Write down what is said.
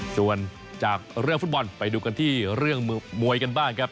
ส่วนจากเรื่องฟุตบอลไปดูกันที่เรื่องมวยกันบ้างครับ